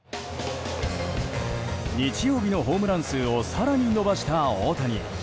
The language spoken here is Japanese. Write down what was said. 日曜日のホームラン数を更に伸ばした大谷。